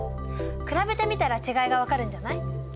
比べてみたら違いが分かるんじゃない？